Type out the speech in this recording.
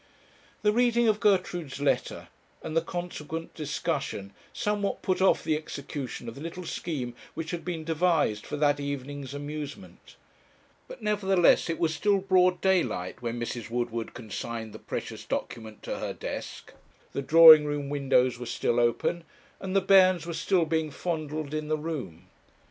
The reading of Gertrude's letter, and the consequent discussion, somewhat put off the execution of the little scheme which had been devised for that evening's amusement; but, nevertheless, it was still broad daylight when Mrs. Woodward consigned the precious document to her desk; the drawing room windows were still open, and the bairns were still being fondled in the room.